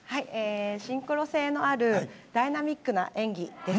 シンクロ性のあるダイナミックな演技です。